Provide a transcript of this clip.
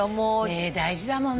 目大事だもんね。